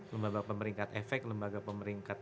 lembaga pemeringkat efek lembaga pemeringkat